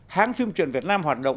hãng phim truyện việt nam hoạt động